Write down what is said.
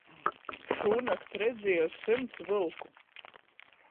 Šūnakt redzieju symts vylku!